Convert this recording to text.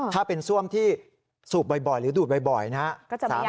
ถ้าเป็นซ่วมที่สูบบ่อยหรือดูดบ่อยนะครับ